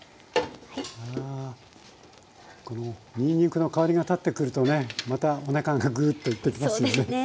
このにんにくの香りが立ってくるとねまたおなかがグーッといってきますよね。